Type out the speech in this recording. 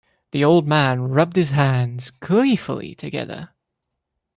The old man rubbed his hands gleefully together.